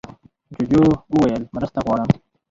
جوجو وویل مرسته غواړم.